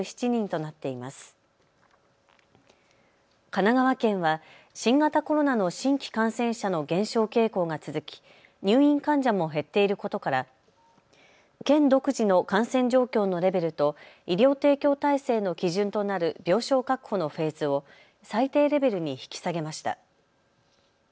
神奈川県は新型コロナの新規感染者の減少傾向が続き入院患者も減っていることから県独自の感染状況のレベルと医療提供体制の基準となる病床確保のフェーズを最低レベルに引き下げました。